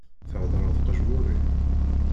Theddreḍ qejmuri!